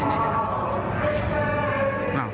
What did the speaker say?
อ้าว